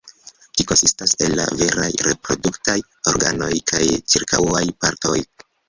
Ĝi konsistas el la veraj reproduktaj organoj kaj ĉirkaŭaj partoj.